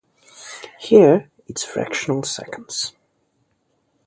Here it's fractional seconds.